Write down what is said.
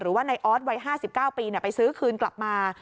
หรือว่านายออสวัย๕๙ปีไปซื้อคืนกลับมา